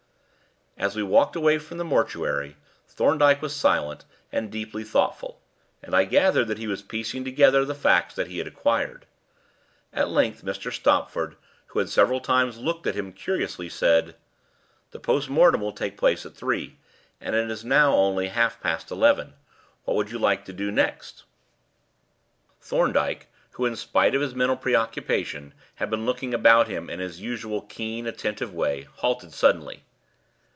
As we walked away from the mortuary, Thorndyke was silent and deeply thoughtful, and I gathered that he was piecing together the facts that he had acquired. At length Mr. Stopford, who had several times looked at him curiously, said: "The post mortem will take place at three, and it is now only half past eleven. What would you like to do next?" Thorndyke, who, in spite of his mental preoccupation, had been looking about him in his usual keen, attentive way, halted suddenly.